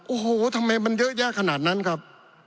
โอ้โหทำไมมันเยอะแยะขนาดนั้นครับ